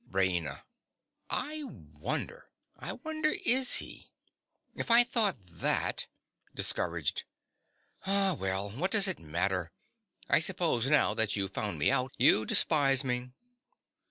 RAINA. I wonder—I wonder is he? If I thought that—! (Discouraged.) Ah, well, what does it matter? I suppose, now that you've found me out, you despise me.